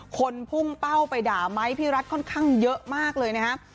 คนพุ่งเป้าไปด่าไม้พี่รัฐค่อนข้างเยอะมากเลยนะครับ